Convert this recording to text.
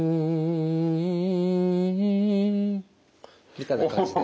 みたいな感じで。